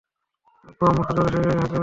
আব্বু-আম্মুকে সজোরে সেই গাড়িটি ধাক্কা দেয়।